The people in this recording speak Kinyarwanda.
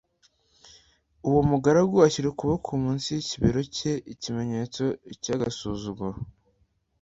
uwo mugaragu ashyira ukuboko kwe munsi y ikibero cye ikimenyetso cyagasuzuguro